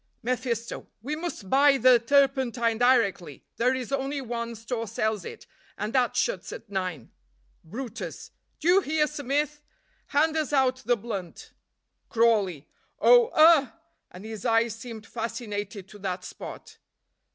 mephisto. "We must buy the turpentine directly; there is only one store sells it, and that shuts at nine." brutus. "Do you hear, Smith? hand us out the blunt." Crawley. "Oh, ugh!" and his eyes seemed fascinated to that spot.